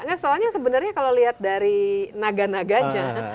enggak soalnya sebenarnya kalau lihat dari naga naganya